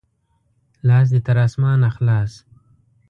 لاس دې تر اسمانه خلاص!